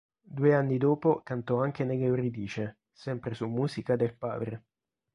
Due anni dopo, cantò anche nell'Euridice, sempre su musica del padre.